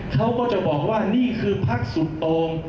เขาก็จะบอกว่านี่คือพักสุดโตรง